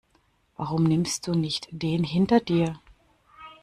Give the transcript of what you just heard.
Warum nimmst du nicht den hinter dir?